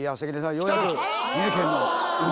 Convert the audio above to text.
ようやく。